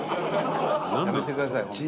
やめてくださいほんと。